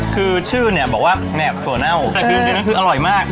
คือชื่อเนี่ยบอกว่าแนบถั่วเน่าแต่คืออร่อยมาก